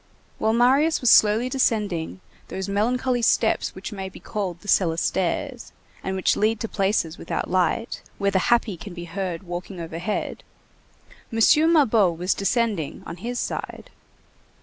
While Marius was slowly descending those melancholy steps which may be called the cellar stairs, and which lead to places without light, where the happy can be heard walking overhead, M. Mabeuf was descending on his side.